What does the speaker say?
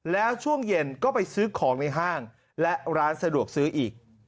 แล้วช่วงเย็นก็ไปซื้อของในห้างและร้านสะดวกซื้ออีก